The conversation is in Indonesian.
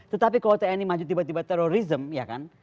tetapi kalau tni maju tiba tiba terorisme ya kan